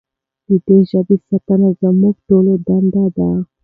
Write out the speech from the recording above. د دې ژبې ساتنه زموږ ټولو دنده ده.